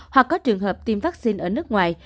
hoặc có trường hợp tiêm vaccine ở nước ngoài